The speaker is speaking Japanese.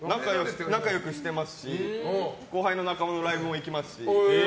仲良くしてますし後輩のライブも行きますし。